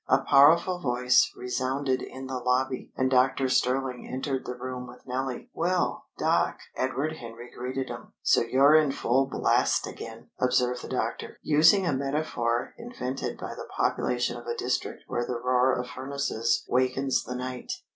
A powerful voice resounded in the lobby, and Doctor Stirling entered the room with Nellie. "Well, Doc!" Edward Henry greeted him. "So you're in full blast again!" observed the doctor, using a metaphor invented by the population of a district where the roar of furnaces wakens the night.